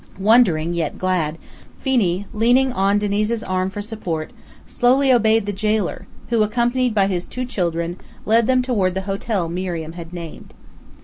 Wondering, yet glad, Phenee, leaning on Diniz's arm for support, slowly obeyed the jailer, who, accompanied by his two children, led them toward the hotel Miriam had named.